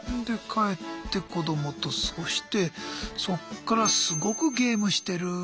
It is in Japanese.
で帰って子どもと過ごしてそっからすごくゲームしてる。